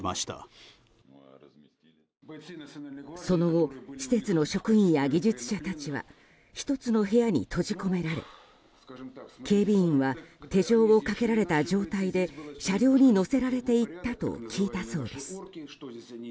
その後施設の職員や技術者たちは１つの部屋に閉じ込められ警備員は手錠をかけられた状態で車両に乗せられていったと聞いたそうです。